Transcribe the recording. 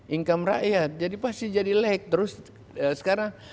income rakyat jadi pasti jadi lag terus sekarang